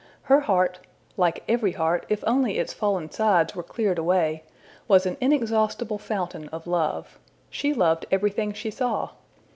Her heart like every heart, if only its fallen sides were cleared away was an inexhaustible fountain of love: she loved everything she saw.